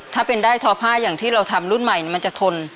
ถ้าเป็นได้ทอผ้าอย่างที่เราทำรุ่นใหม่มันจะทน